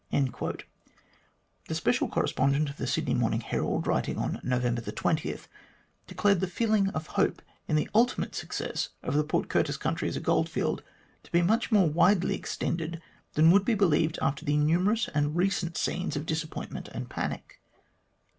The special correspondent of the Sydney Morning Herald, writing on November 20, declared the feeling of hope in the ultimate success of the Port Curtis country as a goldfield to be much more widely extended than would be believed after the numerous and recent scenes of disappointment and panic.